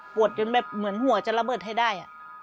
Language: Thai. จนแบบเหมือนหัวจะระเบิดให้ได้